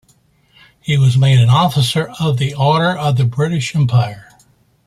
He was made an Officer of the Order of the British Empire.